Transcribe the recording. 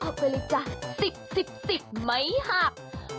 เอาไปเลยจ้ะสิบสิบสิบไม้หัก